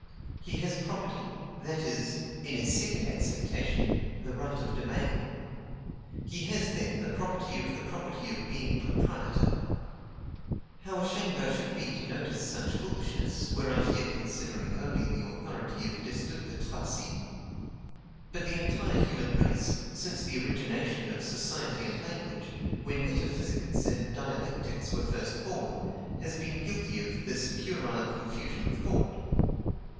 He has property; that is, in its second acceptation, the right of domain. He has, then, the property of the property of being proprietor. How ashamed I should be to notice such foolishness, were I here considering only the authority of Destutt de Tracy! But the entire human race, since the origination of society and language, when metaphysics and dialectics were first born, has been guilty of this puerile confusion of thought.